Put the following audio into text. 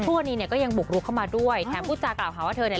วันนี้เนี่ยก็ยังบุกลุกเข้ามาด้วยแถมพูดจากกล่าวหาว่าเธอเนี่ย